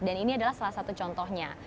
ini adalah salah satu contohnya